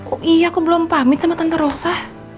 oh iya aku belum pamit sama tante rosa